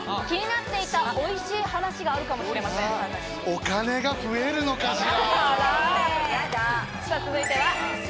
お金が増えるのかしら。